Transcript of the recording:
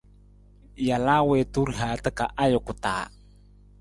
Jalaa wiitu rihaata ka ajuku taa.